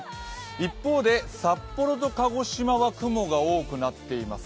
一方で、札幌と鹿児島は雲が多くなっています。